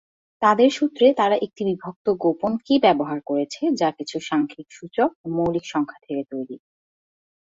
তাদের সূত্রে তারা একটি বিভক্ত-গোপন-কি ব্যবহার করেছে যা কিছু সাংখ্যিক সূচক ও মৌলিক সংখ্যা থেকে তৈরি।